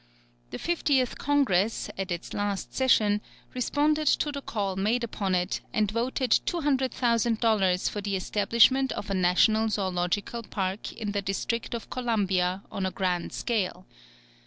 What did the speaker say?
The Fiftieth Congress, at its last session, responded to the call made upon it, and voted $200,000 for the establishment of a National Zoological Park in the District of Columbia on a grand scale.